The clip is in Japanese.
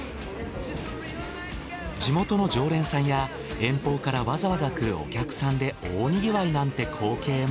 地元の常連さんや遠方からわざわざ来るお客さんで大にぎわいなんて光景も。